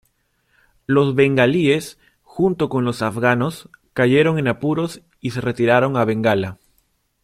Los bengalíes, junto con los afganos, cayeron en apuros y se retiraron a Bengala.